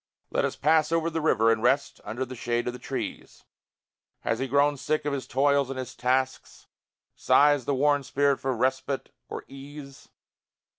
"Let us pass over the river, and rest Under the shade of the trees." Has he grown sick of his toils and his tasks? Sighs the worn spirit for respite or ease?